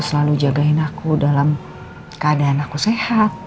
selalu jagain aku dalam keadaan aku sehat